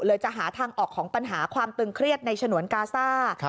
จะหาทางออกของปัญหาความตึงเครียดในฉนวนกาซ่า